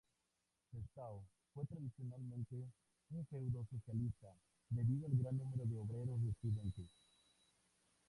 Sestao fue tradicionalmente un feudo socialista, debido al gran número de obreros residentes.